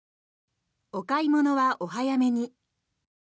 お買い物はお早めに。